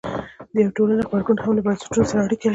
د یوې ټولنې غبرګون هم له بنسټونو سره اړیکه لري.